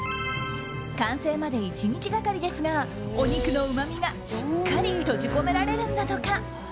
完成まで１日がかりですがお肉のうまみがしっかり閉じ込められるんだとか。